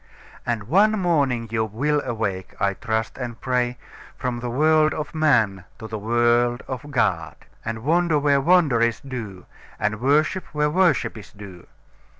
And one morning you will awake, I trust and pray, from the world of man to the world of God, and wonder where wonder is due, and worship where worship is due.